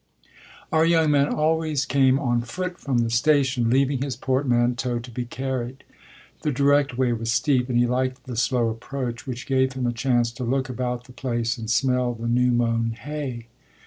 Our young man always came on foot from the station, leaving his portmanteau to be carried: the direct way was steep and he liked the slow approach, which gave him a chance to look about the place and smell the new mown hay.